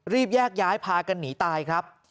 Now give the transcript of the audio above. แยกย้ายพากันหนีตายครับ